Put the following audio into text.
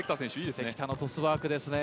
関田のトスワークですね。